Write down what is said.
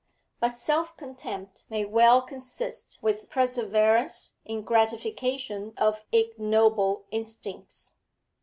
But self contempt may well consist with perseverance in gratification of ignoble instincts.